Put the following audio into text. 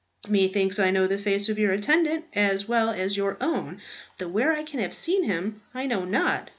"Methinks I know the face of your attendant as well as your own; though where I can have seen him I know not.